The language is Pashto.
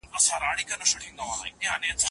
ستونزې اوارې کيږي.